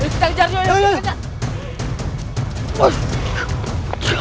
kita kejar dia